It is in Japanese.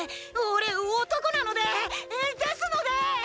俺男なので！！ですので！！